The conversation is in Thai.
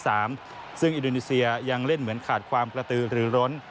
ซึ่งอินโดนีเซียยังเล่นเหมือนขาดความกระตือหรือร้น